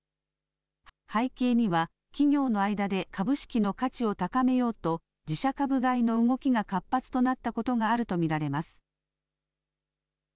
背景には、企業の間で株式の価値を高めようと、自社株買いの動きが活発となったことがあると見られます。